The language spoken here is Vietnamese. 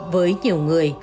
với nhiều người